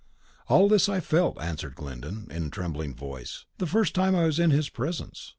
"All this I felt," answered Glyndon, in a trembling voice, "the first time I was in his presence.